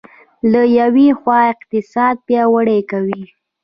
له یوې خوا اقتصاد پیاوړی کوي.